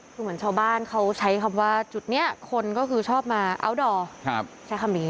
คือเหมือนชาวบ้านเขาใช้คำว่าจุดนี้คนก็คือชอบมาอัลดอร์ใช้คำนี้